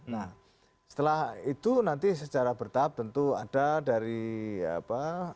nah setelah itu nanti secara bertahap tentu ada dari apa